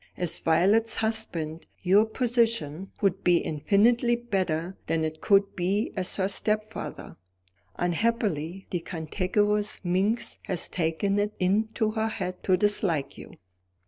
As Violet's husband, your position would be infinitely better than it could be as her stepfather. Unhappily, the cantankerous minx has taken it into her head to dislike you."